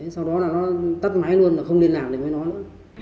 sau đó là nó tắt máy luôn nó không liên lạc được với nó nữa